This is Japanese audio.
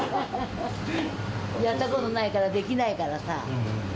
やったことがないから、できないからさ。